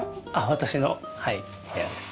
私のはい部屋です。